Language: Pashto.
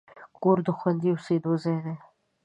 کور د خوندي اوسېدو ځای دی.